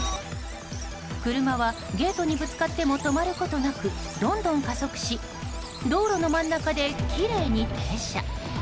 車はゲートにぶつかっても止まることなくどんどん加速し道路の真ん中できれいに停車。